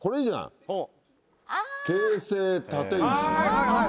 「京成立石」。